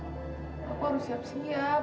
aku harus siap siap